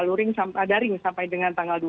daring sampai dengan tanggal dua belas